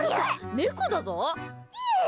猫だぞ！